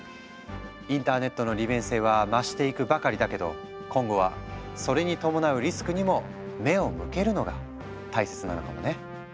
インターネットの利便性は増していくばかりだけど今後はそれに伴うリスクにも目を向けるのが大切なのかもね。